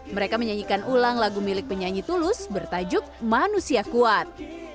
mereka menyanyikan ulang lagu milik penyanyi tulus bertajuk manusia kuat